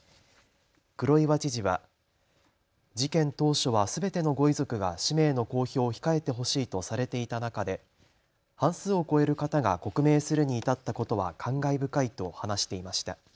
黒岩知事は事件当初はすべてのご遺族が氏名の公表を控えてほしいとされていた中で半数を超える方が刻銘するに至ったことは感慨深いと話していました。